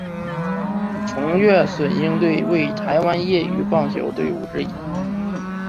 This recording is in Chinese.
崇越隼鹰队为台湾业余棒球队伍之一。